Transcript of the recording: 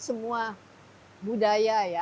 semua budaya ya